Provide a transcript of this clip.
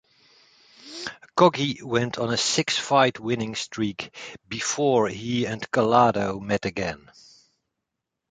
Coggi went on a six-fight winning streak before he and Collado met again.